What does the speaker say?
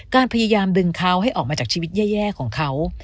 พยายามดึงเขาให้ออกมาจากชีวิตแย่ของเขา